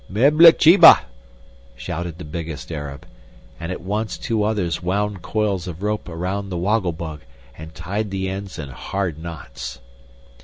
"Meb la che bah!" shouted the biggest Arab, and at once two others wound coils of rope around the Woggle Bug and tied the ends in hard knots.